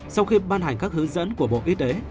sau khi ban hành các hướng dẫn của bộ y tế